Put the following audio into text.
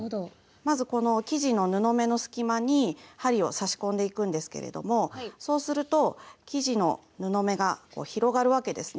まずこの生地の布目の隙間に針を刺し込んでいくんですけれどもそうすると生地の布目が広がるわけですね